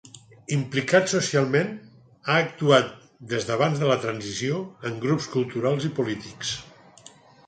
Implicat socialment ha actuat des d'abans de la transició en grups culturals i polítics.